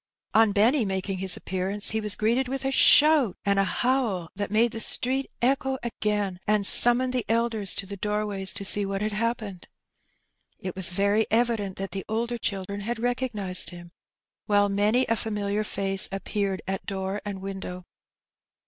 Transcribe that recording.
On Benny making his appearance, he was greeted with a shout and a howl that made the street echo again, and summoned the elders to the doorways to see what had hap pened. It was very evident that the older children had recog> nized him, while many a familiar face appeared at door and window.